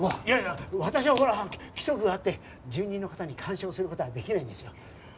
いやいや私はほら規則があって住人の方に干渉する事はできないんですよ。